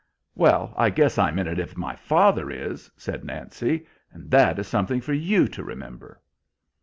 "Well, I guess I'm in it if my father is," said Nancy, "and that is something for you to remember."